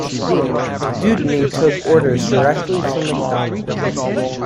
Dewdney took orders directly from Macdonald.